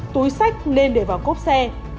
túi sách nên để vào cốp xe